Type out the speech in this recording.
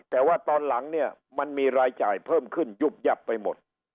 แต่ว่าตอนหลังเนี่ยมันมีรายจ่ายเพิ่มขึ้นยุบยับไปหมด